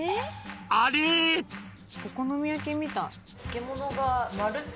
お好み焼きみたい。